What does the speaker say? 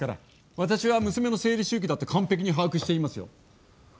私は、娘の生理周期だって完璧に把握していますよ。